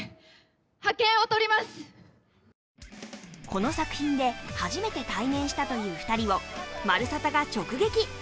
この作品で初めて対面したという２人を「まるサタ」が直撃。